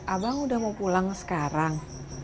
abang udah mau pulang sekarang